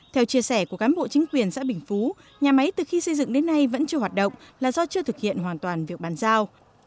theo chia sẻ của cán bộ chính quyền xã bình phú nhà máy từ khi xây dựng đến nay vẫn chưa hoạt động là do chưa thực hiện hoàn toàn việc bàn giao